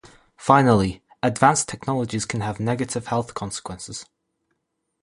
Finally, advanced technologies can have negative health consequences.